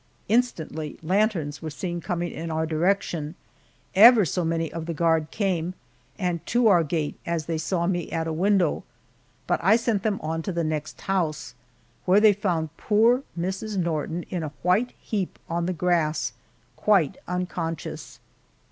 Instantly lanterns were seen coming in our direction ever so many of the guard came, and to our gate as they saw me at a window. But I sent them on to the next house where they found poor Mrs. Norton in a white heap on the grass, quite unconscious.